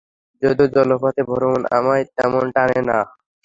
যদিও, জলপথে ভ্রমণ আমায় তেমন টানে না!